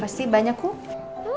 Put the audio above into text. pasti banyak kum